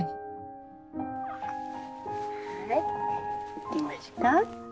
起きました？